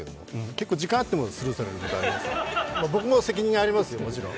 結構時間あっても、スルーされることあります、僕も責任ありますよ、もちろん。